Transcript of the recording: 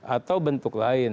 atau bentuk lain